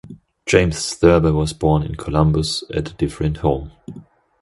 James Thurber was born in Columbus at a different home.